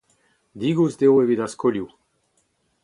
Digoust eo evit ar skolioù.